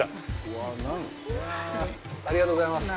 うわぁ、ありがとうございます。